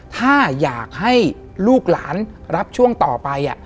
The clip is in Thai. ถ้าอยากให้ลูกหลานรับช่วงต่อไป